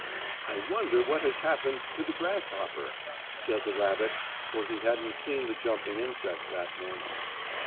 "I wonder what has happened to the grasshopper?" said the rabbit, for he hadn't seen the jumping insect that morning.